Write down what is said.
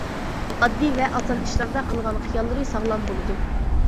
ئاددىي ۋە ئاسان ئىشلاردا قىلغان خىياللىرى ساغلام بولىدۇ.